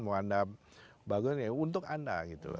mau anda bagun ya untuk anda